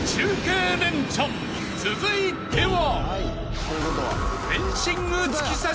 ［続いては］